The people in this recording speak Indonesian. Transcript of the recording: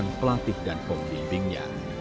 jadi peran pelatih dan pemimpinnya